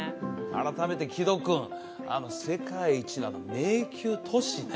改めて木戸君あの世界一の迷宮都市ね